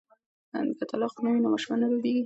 که طلاق نه وي نو ماشوم نه روبیږي.